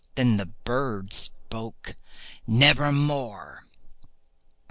Then the bird said, "Nevermore."